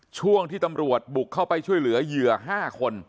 ช่วงที่ตำรวจบุกเข้าไปช่วยเหลือเหยื่อ๕คน